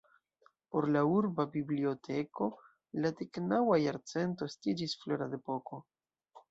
Por la Urba Biblioteko la deknaŭa jarcento estiĝis florad-epoko.